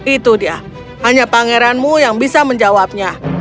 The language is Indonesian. itu dia hanya pangeranmu yang bisa menjawabnya